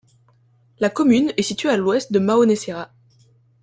La commune est située à à l'ouest de Mao-Nessira.